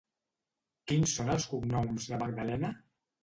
Quins són els cognoms de Magdalena?